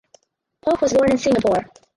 Poh was born in Singapore.